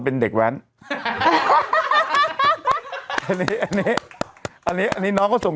เป็นการกระตุ้นการไหลเวียนของเลือด